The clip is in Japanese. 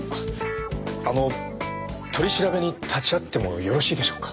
あの取り調べに立ち会ってもよろしいでしょうか？